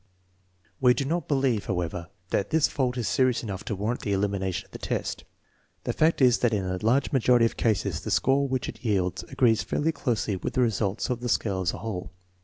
We do not believe, however, that this fault is serious enough to warrant the elimination of the test. The fact is that in a large majority of cases the score which it yields agrees fairly closely with the result of the scale as a whole.